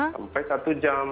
sampai satu jam